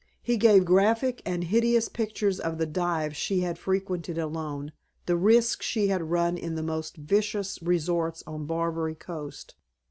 He gave graphic and hideous pictures of the dives she had frequented alone, the risks she had run in the most vicious resorts on Barbary Coast.